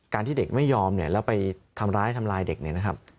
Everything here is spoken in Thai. การที่เด็กไม่ยอมเนี่ยแล้วไปทำร้ายเด็กเนี่ยนะครับ